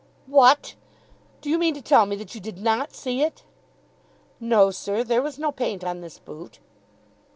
"What! Do you mean to tell me that you did not see it?" "No, sir. There was no paint on this boot."